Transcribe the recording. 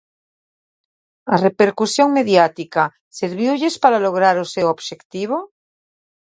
A repercusión mediática serviulles para lograr o seu obxectivo?